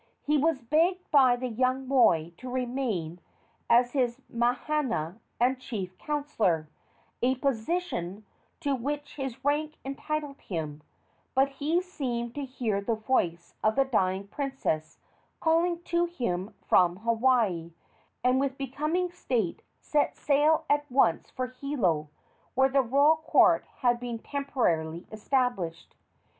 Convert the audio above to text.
He was begged by the young moi to remain as his mahana and chief counsellor, a position to which his rank entitled him; but he seemed to hear the voice of the dying princess calling to him from Hawaii, and with becoming state set sail at once for Hilo, where the royal court had been temporarily established.